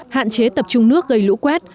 hạn chế tập trung nước gây lũ quét